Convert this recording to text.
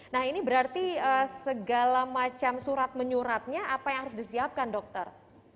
nah ini berarti segala macam surat menyuratnya apa yang harus disiapkan dokter